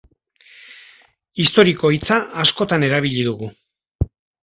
Historiko hitza askotan erabili dugu.